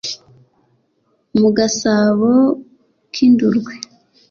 mu gasabo k indurwe